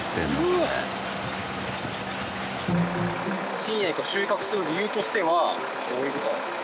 深夜に収穫する理由としてはどういう事なんですか？